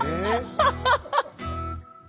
ハハハハハ。